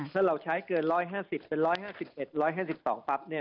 ถ้าเราใช้เกินร้อยห้าสิบเป็นร้อยห้าสิบเอ็ดร้อยห้าสิบสองปั๊บเนี่ย